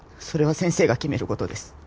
それは先生が決めることです。